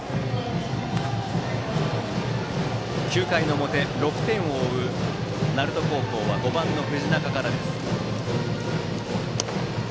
９回の表、６点を追う鳴門高校は５番の藤中からです。